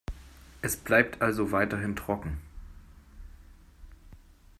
Es bleibt also weiterhin trocken.